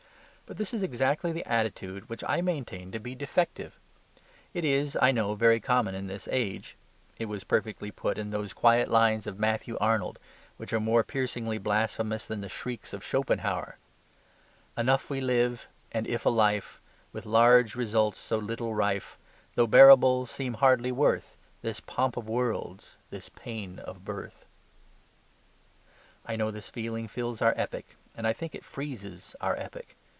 But this is exactly the attitude which I maintain to be defective. It is, I know, very common in this age; it was perfectly put in those quiet lines of Matthew Arnold which are more piercingly blasphemous than the shrieks of Schopenhauer "Enough we live: and if a life, With large results so little rife, Though bearable, seem hardly worth This pomp of worlds, this pain of birth." I know this feeling fills our epoch, and I think it freezes our epoch.